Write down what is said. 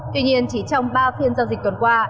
tuy nhiên chỉ trong ba phiên giao dịch tuần qua